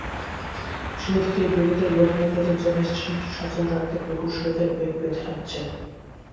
শুরু থেকেই বিদ্যুতের লো-ভোল্টেজের জন্য স্টেশনটি সচল রাখতে প্রকৌশলীদের বেগ পেতে হচ্ছে।